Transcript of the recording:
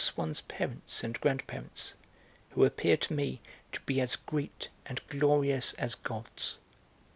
Swann's parents and grandparents, who appeared to me to be as great and glorious as gods.